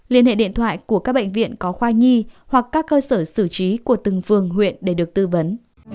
liên hệ điện thoại của các bệnh viện có khoai nhi hoặc các cơ sở xử trí của từng phường huyện để được tư vấn